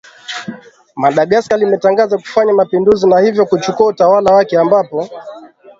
madagascar limetangaza kufanya mapinduzi na hivyo kuchukuwa utawala wakati ambapo